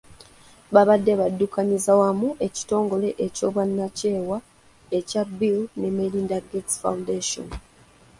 Babadde baddukanyiza wamu ekitongole ky'obwannakyewa ekya Bill ne Melinda Gates Foundation .